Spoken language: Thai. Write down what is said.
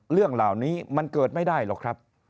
เรื่องเหล่านี้มันเกิดไม่ได้หรอกครับ